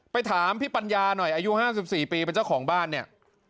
ถามพี่ปัญญาหน่อยอายุ๕๔ปีเป็นเจ้าของบ้านเนี่ย